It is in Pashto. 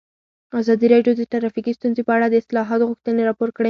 ازادي راډیو د ټرافیکي ستونزې په اړه د اصلاحاتو غوښتنې راپور کړې.